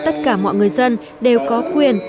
tất cả mọi người dân đều có quyền